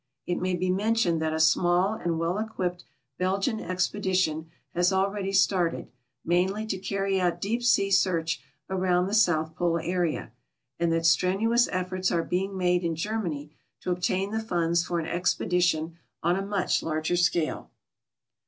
It may be mentioned that a small and well ecjuipped Belgian expedition has already started, niaiidy to carry out deep sea search around the South Pole area, and that strenuous eWovi^ are being made in Germany to obtain the funds for an expedition on a much larger scale.